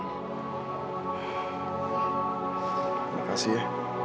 terima kasih ya